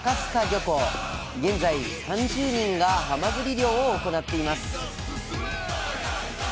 現在３０人がはまぐり漁を行っています